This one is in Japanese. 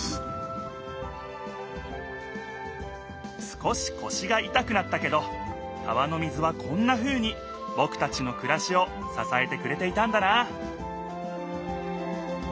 少しこしがいたくなったけど川の水はこんなふうにぼくたちのくらしをささえてくれていたんだな